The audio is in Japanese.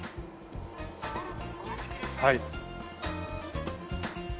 はい。